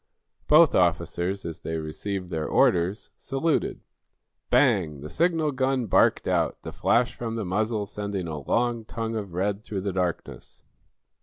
Both officers, as they received their orders, saluted. Bang! The signal gun barked out, the flash from the muzzle sending a long tongue of red through the darkness.